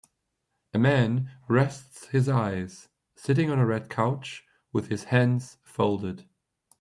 A man rests his eyes, sitting on a red couch with his hands folded.